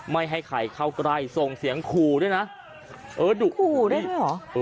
ไม่ให้ใครเข้าใกล้ส่งเสียงขู่ด้วยนะเออดุขู่ด้วยเหรอ